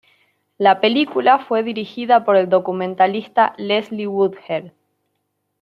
La película fue dirigida por el documentalista Leslie Woodhead.